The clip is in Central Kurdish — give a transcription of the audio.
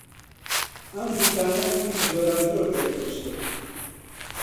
ئەم دوکانە گوڵی جۆراوجۆر دەفرۆشێت.